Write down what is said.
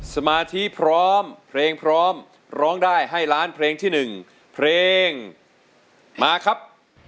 สมาธิพร้อมเพลงพร้อมร้องได้ให้ล้านเพลงที่๑เพลงมาครับ